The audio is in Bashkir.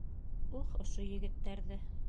Ух, ошо егеттәрҙе!